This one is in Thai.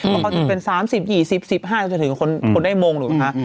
พอจะเป็น๓๐๒๐๑๕จะถึงคนได้มงดูนะคะ